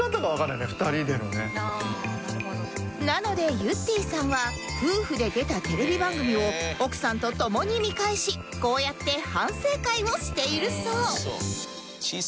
なのでゆってぃさんは夫婦で出たテレビ番組を奥さんと共に見返しこうやって反省会をしているそう